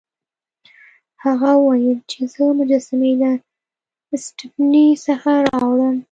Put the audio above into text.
هغه وویل چې زه مجسمې له سټپني څخه راوړم.